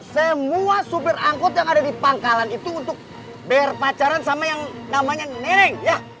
semua supir angkot yang ada di pangkalan itu untuk berpacaran sama yang namanya neneng ya